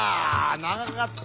長かった。